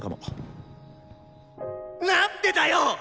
なんでだよ！